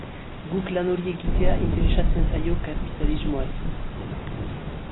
Guk lan hori egitea interesatzen zaio kapitalismoari.